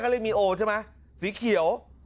เขาเรียกมีโอใช่มั้ยสีเขียว